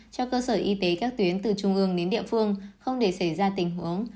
cho cơ sở y tế các tuyến từ trung ương đến địa phương không để xảy ra tình huống